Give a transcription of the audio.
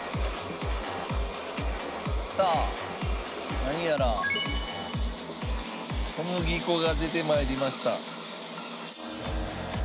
さあ何やら小麦粉が出て参りました。